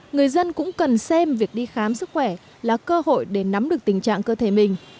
người dân cũng cần xem việc đi khám sức khỏe là cơ hội để nắm được tình trạng cơ thể mình